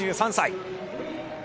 ２３歳。